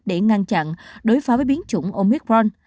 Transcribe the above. để ngăn chặn đối phó với biến chủng omicron